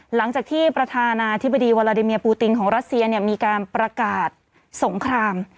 หลังจากที่ประธานาธิบดีวาลาดิเมียปูติงของรัสเซียมีการประกาศสงคราม